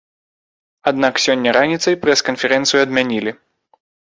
Аднак сёння раніцай прэс-канферэнцыю адмянілі.